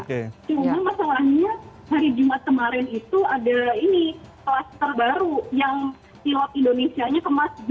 cuma masalahnya hari jumat kemarin itu ada ini klaster baru yang pilot indonesia nya ke masjid